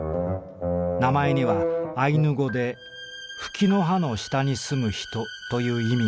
名前にはアイヌ語で『蕗の葉の下に棲む人』という意味がある」。